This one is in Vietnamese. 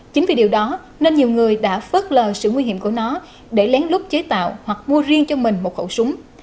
chính vì điều đó nên nhiều người đã phớt lờ sự nguy hiểm của nó để lén lút chế tạo hoặc mua riêng cho mình một khẩu súng